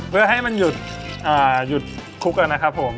เพื่อให้มันหยุดคุกนะครับผม